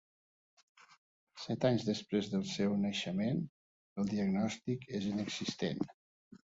Set anys després del seu naixement, el diagnòstic és inexistent.